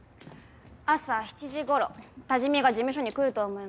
朝７時頃多治見が事務所に来ると思います。